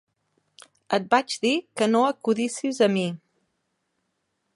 Et vaig dir que no acudissis a mi!